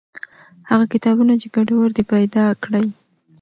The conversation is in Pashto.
هغه کتابونه چې ګټور دي پیدا کړئ.